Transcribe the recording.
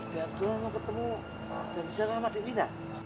dia dulu mau ketemu dan dia sama wina